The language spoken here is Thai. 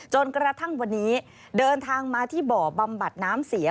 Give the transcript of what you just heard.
จนกระทั่งวันนี้เดินทางมาที่บ่อบำบัดน้ำเสีย